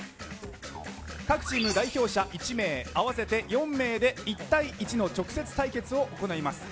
各チーム代表者１名合わせて４名で１対１の直接対決を行います。